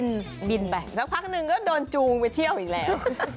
บินไปสักพักหนึ่งก็โดนจูงไปเที่ยวอีกแล้ว